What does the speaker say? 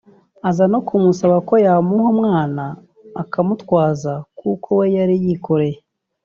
aza no kumusaba ko yamuha umwana akamumutwaza kuko we yari yikoreye